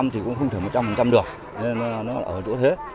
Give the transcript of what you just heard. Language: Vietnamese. một trăm linh thì cũng không thể một trăm linh được nên nó ở chỗ thế